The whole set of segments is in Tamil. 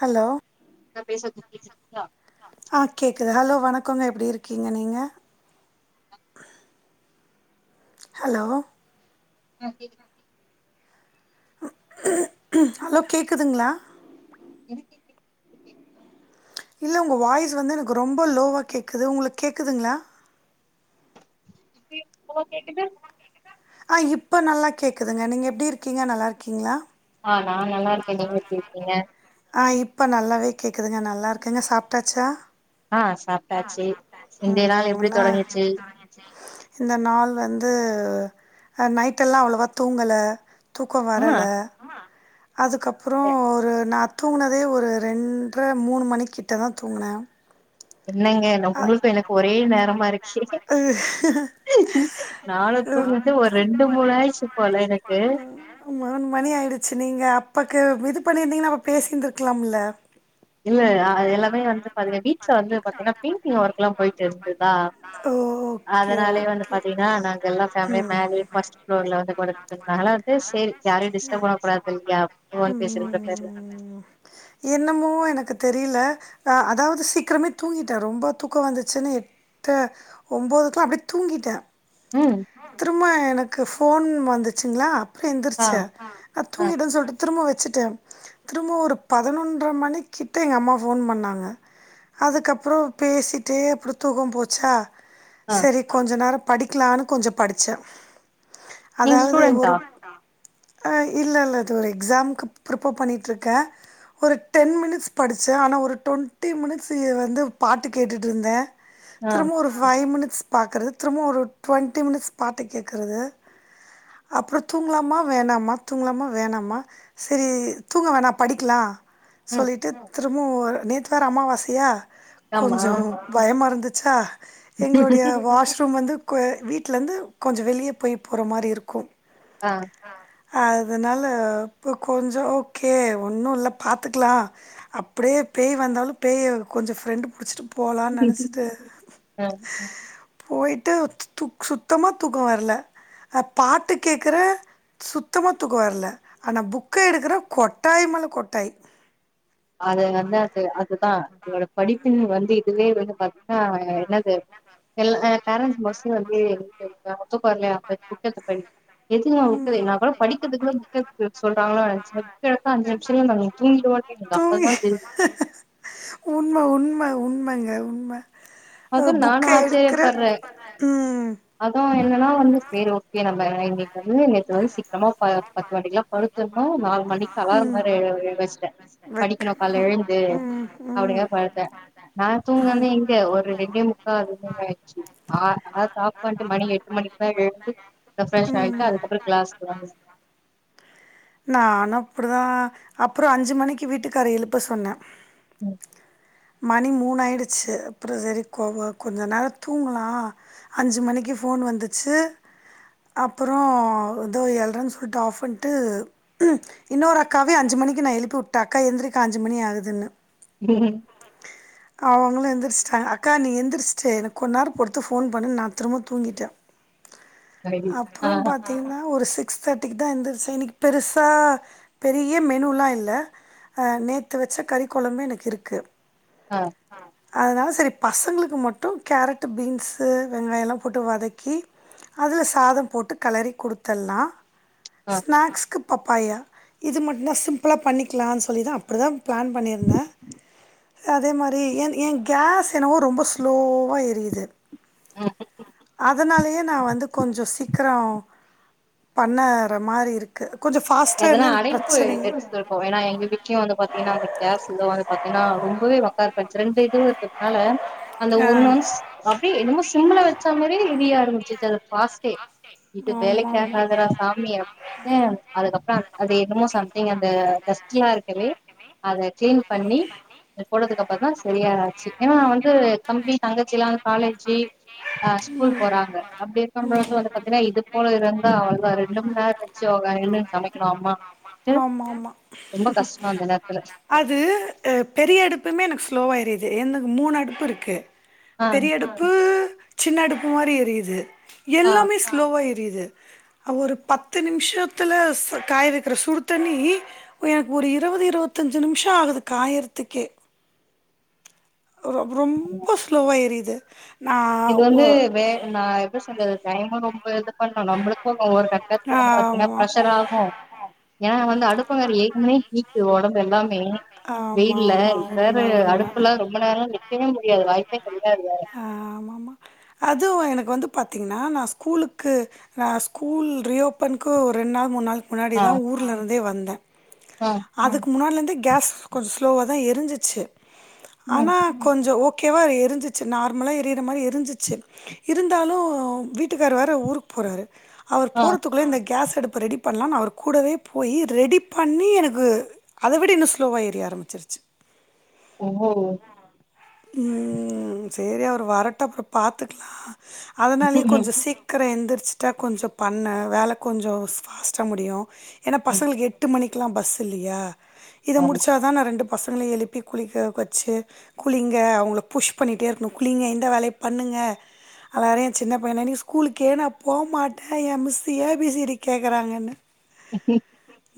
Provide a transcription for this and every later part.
ஹலோ நா பேசறது கேக்குதுங்களா ஆ கேக்குது ஹலோ வணக் கம்எப்டி இருக்கீங்க நீங்க ஹலோ ஆ கேக்குது ஹலோ கேக்குதுங்களா எனக்கு கேக்குது [inaudible] இல்ல உங்க வாய்ஸ் வந்து எனக்கு ரொம்ப லோவா கேக்குது உங்களுக்கு கேக்குதுங்களா இப்பயு [inaudible] கேக்குது அ இப்ப நல்லா கேக்குதுங்க நீங்க எப்டி இருக்கீங்க நல்லா இருக்கீங்களா ஆ நா நல்லா இருக்கே நீங்க எப்டி இருக்கீங்க இப்போ நல்லாவே கேக்குதுங்க நல்லா இருக்குங்க சாப்ட்டாச்சா ஆ சாப்ட்டாச்சு இன்றைய நாள் ம் எப்டி ஆனா தொடங்கிச்சு இந்த நாள் வந்து ஆ நைட்டெல்லா அவ்ளவா தூங்கல தூக்க ஆ வரல அதுக்கப்புற எ ஒரு நாத் தூங்கனதே ஒரு ரெண்ட்ர மூணு மணிிக்கிட்ட தா தூங்கன என்னங்க ந உங்களுக்கு எனக்கு ஒரே நேரமா இருக்கே நாலு தூங்குது தூங்குனே ஒரு ரெண்டு மூணு ஆய்ச்சு போல எனக்கு மூணு மணி ஆயிடுச்சு நீங்க அப்பாக்கு இது பண்ணியிருந்தீங்கன்னா அப்ப பேசியந்திருக்கலாம்ல்ல இல்ல எல்லாமே வந்து பாத்தீங் வீட்ல வந்து பாத்தீங்கன்னா பெயிண்டிங் ஒர்க் எல்லா போயிட்டு இருந்ததா ஓ ஓகே அதனாலயே வந்து ஓகே பாத்தீங்கன்னா நாங்க எல்லா ஃபேமிலியா ம் மேலயே ஃபர்ஸ்ட் ஃப்ளோர்ல வந்து கொ னால வந்து சேரி யாரையு டிஸ்டர்ப் பண்ண கூடாதில்லயா ஃபோன் பேசறன்ற பேர்ல ம் என்னமோ எனக்கு தெரில அதாவது சீக்கிரமே தூங்கிட்டே ரொம்ப தூக்கோ வந்துச்சுன்னு ட்ட ஒனம்போதுக்கெல்லா அப்டியே தூங்கிட்டே ம் திரும்ப எனக்கு ஃபோன் வந்துச்சுங்ளா அப்றோ எந்த்ர் ஆ ச நா ஆ தூங்கிட்ட சொல்ட்டு திரும்ப வெச்சிட்டே திரும்ப ஒரு பதினொன்றரை மணி கிட்ட எங்க அம்மா ஃபோன் பண்ணாங்க அதுக்கப்றோ பேசிட்டே அப்றோ தூக்கோ போச்சா ஆ சரி கொஞ்ச நேரோ படிக்கலானு கொஞ்சோ படிச்சே நீங்க அதாவது ஒரு ஸ்டூடெண்டா அ இல்ல இல்ல அது ஒரு எக்ஸாம்க்கு ப்ரிப்பேர் பண்ணிட்டு இருக்கே ஒரு டென் மினிட்ஸ் படிச்சே ஆனா ஒரு டுவெண்ட்டி மினிட்ஸ் வந்து பாட்டு கேட்டுட்டு இருந்தே ஆ திரும்ப ஒரு ஃபைவ் மினிட் ஸ் பாக்கறது திரும்ப ஒரு டுவென்ட்டி மினிட்ஸ் பாட்டு கேக்கறது அப்றோ தூங்லாமா வேணாமா தூங்லாமா வேணாமா சரி தூங்க வேணா படிக்கலா ம் சொல்லிட்டு திரும்பவு ஒரு நேத்து வேற அமாவாசயா ஆமா கொஞ்சோ பயமா இருந்துச்சா எங்களுடைய வாஷ்ரூம் வந்து கொ வீட்லந்து கொஞ்சோ வெளிய போய் போற மாரி இருக்கு ஆ அதனால இப்போ கொஞ்சோ ஓகே ஒன்னு இல்ல பாத்துக்கலா அப்டியே பேய் வந்தாலு பேய கொஞ்சோ ஃப்ரெண்டு் புடுச்சிட்டு போலானு நெனச்சிட்டு ஆ போயிட்டு துக்கு சுத்தமா தூக்கோ வர்ல பாட்டு கேக்கற சுத்தமா தூக்கோ வர்ல ஆனா புக்க எடுக்கற கொட்டாய் மேல கொட்டாய் அது வந்து அது அதுதா உங்களோட படிப்பின் வந்து இதுவே வந்து பாத்தீங்கனா என்னது எல்லா எ பேரண்ட்ஸ் மோஸ்ட்லி வந்து [inaudible] சோ தூக்கோ வர்லயா போய் புக்கெடுத்து படி பண்ணி எதுங்க ம், உட்டது நா கூட படிக்கிறதுக்குள்ள புக் எடுக்க சொல்றங்ளோ நெனச்சே புக் எடுத்தா அஞ்சு நிமிஷல்ல நாங் அங்க தூங்கிடுவோ ஓகேங்க்கா உண்ம உண்ம உண்மங்க உம்ம அது நானு ஆச்சர்யப்படறே ம் அதவு என்னனா வந்துச் சேரி ஓகே நம்ம இன்னைக்கு வந்து நேத்து வந்து சிக்கி தினமு பத்து மணிக்கெல்லா படுத்திரனு நாலு மணிக்கு அலாரம் வேற வெச்சிட்டே படிக்கணு கால்ல வைக்கணு எழுந்து ம் ம் அப்டிங்க படுத்தே நா தூங்கந்தே எங்க ஒரு ரெண்டே முக்கா அதுமே ஆய்ச்சு ஆ அதனா சாப்ட்டு வந்ட்டு மணி எட்டு மணிக்கெல்லா எழுப்பி ரெஃப்ரெஷ் ம் ஆய்ட்டு அதுக்கப்றோ கிளாஸ்க்கு வந்துதா நானு அப்டிதா அப்றோ அஞ்சு மணிக்கு வீட்டுக்கார எழுப்ப சொன்ன ம் மணி மூணு ஆயிடுச்சு அப்றோ சரி கோவோ கொஞ்ச நேரோ தூங்கலா அஞ்சு மணிக்கு ஃபோன் வந்துச்சு அப்றோ இதோ எல்றனு சொல்ட்டு ஆஃப் பண்ட்டு இன்னொரு அக்காவே அஞ்சு மணிக்கு நா எழுப்பி விட்ட அக்கா எந்திரிக்கா அஞ்சு மணி ஆகுதுன்னு உஹ்ம் அவங்களு எந்திரிச்சிட்டாங்க அக்கா நீங்க எந்திரிச்சிட்டு எனக்கு கொஞ் நேரோ பொறுத்து ஃபோன் பண்ணுங்கனு நா திரும்ப தூங்கிட்டே [inaudible] ஆ அப்புறம் பாத்தீங்கன்னா ஒரு சிக் க்ஸ் தேர்ட்டிக்குதா எந்திரிச்ச இன்னைக்கு பெருசா பெரிய மெனுல்லா இல்ல அ நேத்து வச்ச கறி கொளம்பே எனக்கு இருக்கு ஆ அதனால சரி பசங்களுக்கு மட்டு கேரட்டு பீன்ஸு வெங்காயல்லா போட்டு வதக்கி அதில சாதம் போட்டு களறி குடுத்தல்லா ஆ ஸ்நாக்ஸ்க்குப் பப்பாயா இது மட்டுந்தா சிம்பிளா பண்ணிக்கலான்னு சொல்லி தா அப்டிதா பிளான் பண்ணியிருந்தே அதே மாரி என் என் கேஸ்என்னவோ ரொம்ப ஸ்லோவா ஏரியுது ம் அதனாலயே நா வந்து கொஞ்ச சீக்கிர பண்ணாற மாரி இருக்கு கொஞ்சோ ஃபாஸ்ட்டா எதுனா இருந்தா எனக்கு அழைப்பு பிரச்சனையே எடுத்துருக்கோ ஏன்னா எங்க வீட்டுலயு வந்து பாத்தீங்கன்னா அந்த கேஸ் இத வந்து பாத்தீங்கன்னா ரொம்பவே ஒக்கா எ ரெண்டு இது வருக்குதுனால அந்த ஆ ஒரு நான்ஸ் அப்டியே என்னமோ சிம்மிள வச்ச மாறியே ஏறியா ஆரம்பிச்சுருச்சு அது பாஸ்ட்டே இது ஆமா வேலைக்காகாதுரா ஆமா சாமிய அப்பே அது என்னமோ சம்திங் அந்த டஸ்ட்ட்லா இருக்கவே அத கிளீன் பண்ணி அது போறதுக்கு அப்புறந்தா சரியாச்சு ஏன்னா வந்து தம்பி தங்கச்சில்லா காலேஜி அ ஸ்கூல் போறாங்க அப்டி இருக்கும் ம் பொழுது ம் வந்து பாத்தீங்கன்னா இது போல இருந்தா அவளதா ரெண்டு மண்நேர வச்சு [unintelligible] அம்மா ட்டு ஆமா ஆமா ரொம்ப கஷ்டோ அந்த நேரத்துல அது அ பெரிய அடுப்புமே எனக்கு ஸ்லோவா எரியுது என்னது மூணு அடுப்பு இருக்கு ஆ பெரிய அடுப்பு சின்ன அடுப்பு மாரி எரியுது ஆ எல்லாமே ஸ்லோவா எ ரியுது ஒரு பத்து நிமிஷத்துல ச காய இருக்கிற சுடு தண்ணி எனக்கு இருவது இருவத்தஞ்சு நிமிச ஆகுது காயறத்துக்கே ரொ ரொம்ப ஸ்லோவா எரியுது நா இது ஒ வந்து வே நா எப்படி சொல்றது டைம ர இது பண்ணு நம்மளுக்கு ஒவ்வொரு கட்டத்து வந்து ஆமா பாத்தீங்கன்னா ப்ரெஷர்ராகு ஏன்னா வந்து அடுப்பங்கற ஏக்கு மணே கீட்டு ஒடம்பு எல்லாமே ஆமா வெயில்ல ஆமா இ வேறு உண்ம உண்ம அடுப்புலா ரொம்ப நேர நிக்கவே முடியாது வாய்ப்பே கெடையாது ஆ ஆமாமா அதுவு எனக்கு வந்து பார்த்தீங்கன்னா நா ஸ்கூலுக்கு நா ஸ்கூல் ரீ ஓபனுக்கு ஒரு ரெண்டு நாள் மூண் நாள் முன்னாடி ஆ தா ஊர்லருந்தே வந்தே ஆ அதுக்கு முன்னாடிலந்து கேஸ் கொஞ்ச ஸ்லோவ தா எரிஞ்சிச்சு ம் ஆனா கொஞ்ச ஓக் க்கேவா எரிஞ்சிச்சு நார்மல எரியிற மாரி எரிஞ்சிச்சு இருந்தாலு வீட்டுக்கார் வேற ஊருக்கு போ றாரு அவர் ஆ போறதுக்குள்ளே இந்த கேஸ்ஸடுப்பு ரெடி பண்ணலா அவர் கூடவே போய் ரெடி பண்ணி எனக்கு அங்கு அத விட இன்னு ஸ்லோவா ஏறிய ஆரம்பிச்சிருச்சி ஓ ம் சரி அவர் வரட்ட அப்பற பாத்துக்கலா அதனாலயே ம் கொஞ்ச சீக்கிர எந்திர் ச்சுட்டா கொஞ்ச பண்ண வேலை கொஞ்ச பாஸ்டா முடியு ஏன்னா ம், பசங்களுக்கு எட்டு மணிக்கெல்லா பஸ் இல்லையா இத ஆமா முடிச்சாதான ரெண்டு பசங்கள எழுப்பி குளிக்க வச்சு குளிங்க அவங்கள புஷ் பண்ணிட்டே இருக்கணு குங்க இந்த வேலைய பண்ணுங்க ஆ எல்லாரயு ஏ சின்ன பைய நீக்கு ஸ்கூலுக்கே நா போமாட்டே ஏ miss A B C D கேக்குறாங்கன்னு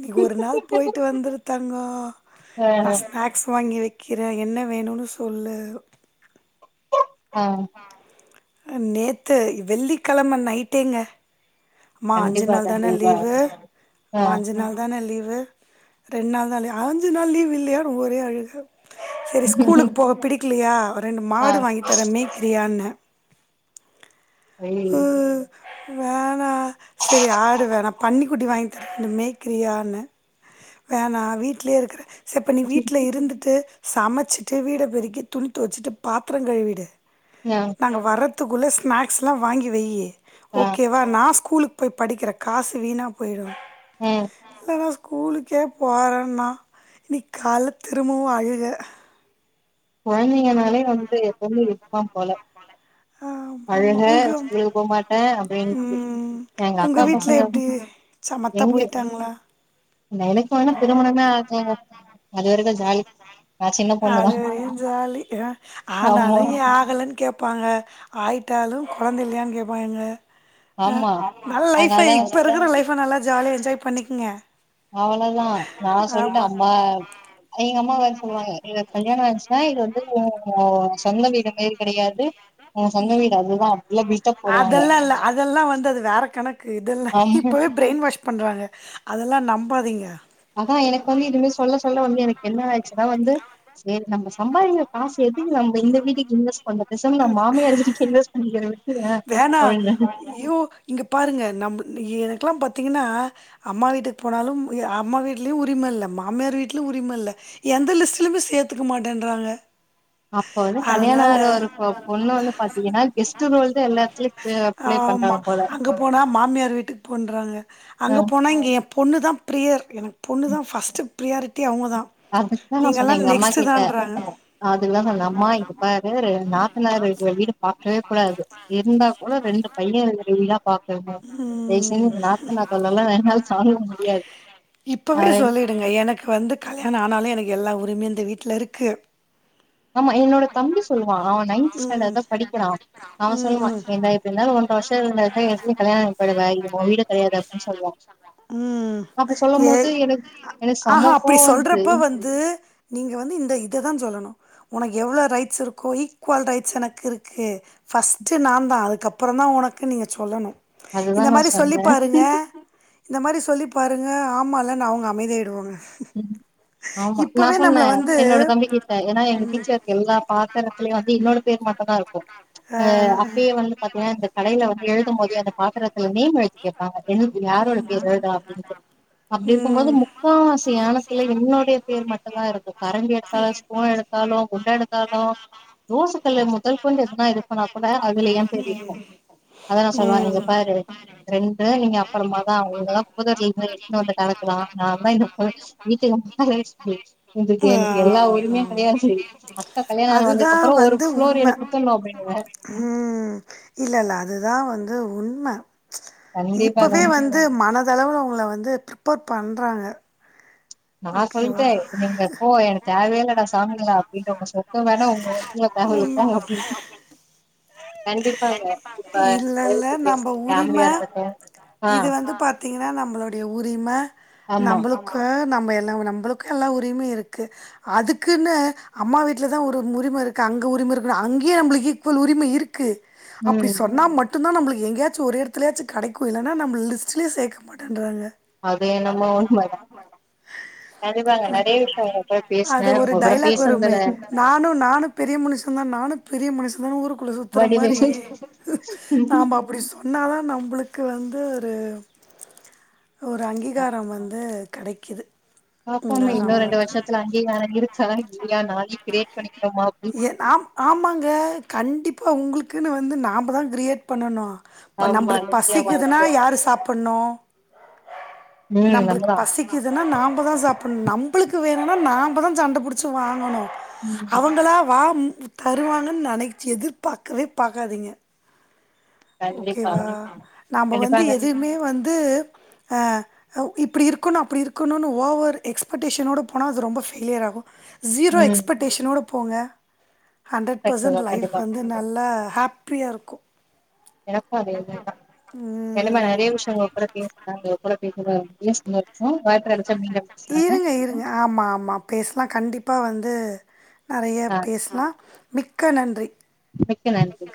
இ ஒரு நாள் போயிட்டு வந்திரு தங்கோ ஆ நா ஸ்நாக்ஸ் வாங்கி வைக்கிறே என்ன வேணுன்னு சொல்லு ஆ நேத்து வெள்ளிக்கெழம நைட்டேங்க மா அஞ்சு கண்டிப்பா நாள் தான கண்டிப்பா லிவு ஆ மா அஞ்சு நாள் தான லிவு ரெண் நாள் தானே அஞ்சு நாள் லீவ் இல்லையானு ஒரே அழுக சரி ஸ்கூலுக்கு போக பிடிக்கலையா ரெண்டு ஆ மாடு வாங்கி தரே மேக்கிரியான்னே ம் வேணா சரி ஆடு வேணா பன்னிகுட்டி வாங்கி தரே மேக்கிரியான்னு வேணா வீட்லயே இருக்கறே ச இப்ப நீ வீட்ல இருந்துட்டு சமைச்சிட்டு வீடை பெருக்கி துணித்து வச்சிட்டு பாத்திரம் கழுவிடு ஆ நாங்க வர்ரது குள்ள ஸ்நாக்ஸ் எல்லாம் வாங்கி வையி ஆ ஓகேவா நாஸ் கூலுக்கு போய் படிக்கிற காசு வீணா போயிடும் ம் கூலுக்கே போறோன்னா இன்னிக்கு காலை திரும்பவும் அழுக குழந்தைங்கனாலே வந்து எப்பவுமே இருப்பான் போல ஆமாம் அழுக ஆமாம் உங்கள் ஸ்கூலுக்கு போக மாட்டேன் அப்படின்ட்டு ம் எங்க அக்கா உங்கள் பசங்க வீட்டில் எப்படி சமத்தா போயிட்டாங்களா எனக்குவேணா திருமணமே ஆகலங்க அதுவரைக்கும் ஜாலி நான் சின்ன அது பொண்ணுதான் வரையு ஜாலி ஆனாலும் ஏ ஆகலன்னு கேடப்பாங்க ஆயிட்டு டாலும் குழந்தை இல்லையான்னு கேட்பாங்க ஆமா நல்ல லைஃப் அதனால இப்ப இருக்கிற லைப் நல்லா ஜாலிய என்ஜாய் பண்ணிக்கிங்க அவ்வளேதான் நான் சொல்லிட்ட அம்மா எங்க அம்மா வேரு சொல்லுவாங்கங்க [unintelligible] கல்யாண அசினா இது வந்து ஓ சொந்த வீடுமேரி கிடையாது உங்க சொந்த வீடு அதுதான் அப்டில்ல பிட்டா போடுவாங்க அதெல்லா இல்ல அதெல்லா வந்து அது வேற கணக்கு இதெல்லாம் ஆமா இப்பவே பிரயின் வாஷ் பண்றாங்க அதெல்லாம் நம்பாதீங்க அதன் எனக்கு வந்து இதுவே சொல்ல சொல்ல வந்து எனக்கு என்ன ஆயிச்சுன்ன வந்து சேரி நம்ம சம்பாரிகிற காசு எதுக்கு நம்ம இந்த வீட்டுக்கு இங்க கொஞ்சம் பேசம நான் மாமியார்ட்ட இன்வஸ் பண்ணிக்கிற ஏன்ன விட்டுருங்க வேணா அப்படின்ட [unintelligible] இப்பலாம் பாத்தீங்கன்னா அம்மா வீட்டுக்கு போனாலும் அ அம்மா வீட்லையும் உரிமை இல்லை மாமியார் வீட்டலையும் உரிமை இல்லை எந்த லிஸ்டலைமே சேர்த்துக்க மாட்டன்றாங்க அப்ப வந்து கல்யாணோ அதனால ஆற ஒரு [unintelligible] பொண்ணு வந்து பாத்தீங்கன்னா கெஸ்ட் ரோல் தா எல்லா டிஸ்டபன்ஸ் எடத்துலயு பிளே ஆமா பண்றாங்க போல அங்க போனா மாமியார் வீட்டுக்கு போண்றாங்க அங்க போனா இங்க என் பொண்ணு தான் பிரியர் எனக்கு பொண்ணு தான் பஸ்ட் பிரியாரிட்டி அதுக்குதான் நான் சொன்னேன் எங்க அம்மா கிட்ட தான்றாங்க அதுக்கு தான் சொன்னேன் அம்மா இங்க பாரு நாத்தனறு இருக்கர வீடு பாக்கவே கூடாது இருந்தா கூட ரெண்டு பையன் இருகற வீடா பாக்குனும் ம் [unintelligible] தாங்க முடியாது இப்பவே அப்டின் சொல்லிடுங்க எனக்கு வந்து கல்யாணம் ஆனாலும் எனக்கு எல்லா உரிமையும் இந்த வீட்டில் இருக்கு ஆமா என்னோட தம்பி சொல்லுவான் அவன் நைன்த் ஸ்டாண்டர்ட் தான் படிக்கிறான் அவன் ம் ம் சொல்லுவன் ஏன்த எப்புடி இருந்தாலும் ஒன்றரை வருஷம் இருந்து இது கயாணம்மாயி பேய்டுவ இது வோன் வீடு கிடயாது அப்டின்னு சொல்லுவான் ம் ம் ஏ எனக்கு ஆ செம அப்படி கோவ வருது சொல்றப்ப வந்து நீங்க வந்து இந்த இததான் சொல்லணும் உனக்கு எவ்வளவு ரைட்ஸ் இருக்கோ இ க்குவல் ரைட்ஸ் எனக்கு இருக்கு ஃபஸ்ட்டு நான் தான் அதுக்கப்புறம் தான் உனக்கு நீங்க சொல்லணும் அதுதா இந்த நா மாதிரி சொல்லி சொன்ன பாருங்க இந்த மாாதிரி சொல்லி பாருங்க ஆமாம் இலன்னு அவங்க அமைதியா ஆயிடுவாங்க உம் ஆமா நான் சொன்னேன் வந்து என்னோட தம்பி கிட்ட ஏன்னா எங்க இருக்க எல்லா பாத்திரத்துலயும் வ இன்னோட பேர் மட்டும்தான் இருக்கும் ஆ அப்பயே வந்து பாத்தீங்கன்னா இந்த கடையில வந்து எழுதும் போதே அந்த பாத்திரத்துல நேம் எழுத்து கேட்பாங்க [unintelligible] எழுதா அப்படின்ட்டு ம் அப்படி இருக்கும்போது ம் முக்காவாசி யானத்துல என்னுடைய பேர் மட்டும்தான் இருக்கும் கரண்ட் எடுத்தாலும் ஸ்பூன் எடுத்தாலும் குண்ட எடுத்தாலும் தோசைகல் முதல் கொண்டு எதுனா இருக்குனா கூட அதுல ஏன் பேருயிருக்கும் அதல்லா நா சொல்லுவான் ம் இங்க பாரு ரெண்டு நீங்க அப்புறமாதான் உங்களாம் புதர்லருந்து எடுத்துனு வந்து கணக்குதா நன்ப்ப வீட்டுக்கு [unintelligible] மகாலட்சுமி உங்கள்கு எனக்கு எல்லா உரிமையும் [unintelligible] அக்கா கல்யாணன அதுதா வந்ததுக்கப்புறம் வந்து உண்மை உம் இல்லல்ல அது தான் வந்து உண்மை கண்டிப்பா கண்டிப்பா இப்பவே வந்து மனதளவு உங்கள வந்து ஃபிரிப்பர் பண்றாங்க நான் ஓகேவா? சொல்லிட்டே நீங்க போ எனக்கு தேவ இல்லடா சாமிங்களா அப்படின்ற உங்க சொத்த வேணா உங்க [inaudible] [unintelligible] கண்டிப்பாங்க இப்ப இல்ல, வே இல்ல. பேச நம்ப உரிம பேமிலியா இருக்கட்டு ஆ இது வந்து பாத்தீங்கன்னா நம்மளுடைய உரிம ஆமா நம்மளுக்கு நம்ம எல்லா நம்மளுக்கு எல்லா உரிம இருக்கு அதுக்குன்னு அம்மா வீட்ல தா ஒரு உரிமை இருக்கா அங்க உரிமை இருக்குணு அங்கேயே நம்மளுக்கு ஈக்குவல் உரிமை இருக்கு அப்படி ம் சொன்னா மட் டு தா நம்மளுக்கு எங்கயாச்சு ஒரு இடத்துலயாச்சு கடைக்கு இல்லன்ன நம்மல லிஸ்டலே சேர்க்க மாட்டேன்றாங்க அது என்னம்மோ உண்ம தா அது ஒரு உங்க கூட டைலாக் வருமே பேசுனதுல நானு நானும் பெரிய மனுஷ தா நானு பெரிய மனுஷன் தா ஊருக்குள்ள சுத்துற மாரி வடிவேலு நாம அப்டி சொன்னாதா நம்மளுக்கு வந்து ஒரு ஒரு அங்கீகாரம் வந்து கடைக்குது பாப்போம்மே இன்னு ரெண்டு வருஷத்துல அங்கிகாரம் இருக்கா இல்லையா நானே கிரியேட் பண்ணி ஏ நாம் ஆமாங்க கண்டிப்பா உங்களுக்குன்னு வந்து நாம தான் கிரியேட் பண்ணணு இப்ப ஆமா நம்மளுக்கு நிச்சயமா பசிக்குதுன்னா நிச்சயமா யாரு சாப்புணு ம் நம்மளுக்கு நம்மதா பசிக்குது என்னா நாம தான் சாப்புணு நம்மளுக்கு வேணுனா நாம தா சண்ட புடிச்சி வாங்கணு ம் வா தருவாங்கன்னு நனைச் எதிர்பார்க்கவே பாக்காதீங்க கண்டிப்பா ஓகேவா நாம வந்து கண்டிப்பாங்க எதுமே வந்து ஆ இப்டி இருக்கணு அப்டி இருக்கணுனு ஓவர் எக்ஸ்பெக்டேஷனோடு போனா அது ரொம்ப ஃபெயிலியர் ஆகு ஜீரோ ம் எக்ஸ்பெக்டேஷனோடு போங்க ஹண்ட்ரட் பர்சன்ட் சக்சஸ் லைஃப் கண்டிப்பா வந்து நல்லா ஹாப்பியா இருக்கு எனக்கு அது மாரி தா ம் என்னம நறைய விஷய உங்க கூட பேசுன [unintelligible] கேக்குதா [unintelligible] இருங்க இருங்க ஆமா ஆமா பேசலா கண்டிப்பா வந்து நறையா ஆ பேஸ்லா மிக்க நன்றி மிக்க நன்றி